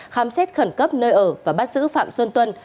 khám xét khẩn cấp nơi ở và bắt giữ phạm xuân tuân